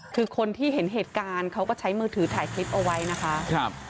คือคนที่เห็นเหตุการณ์เขาก็ใช้มือถือถ่ายคลิปเอาไว้นะคะครับ